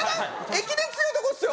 駅伝強いとこっすよ